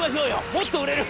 もっと売れる。